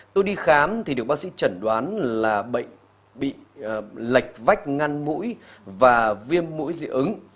tôi đi khám thì được bác sĩ chẩn đoán là bệnh bị lạch vách ngăn mũi và viêm mũi dị ứng